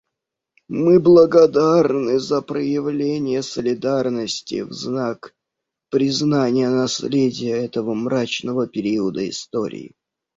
Мы благодарны за проявление солидарности в знак признания наследия этого мрачного периода истории.